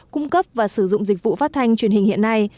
cung cấp và sử dụng dịch vụ phát thanh truyền hình hiện nay